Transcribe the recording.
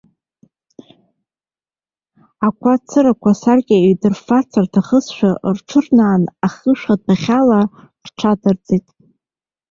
Ақәа цырақәа асаркьа еиҩдырффар рҭахызшәа, рҽырнааны ахышә адәахьала рҽнадырҵеит.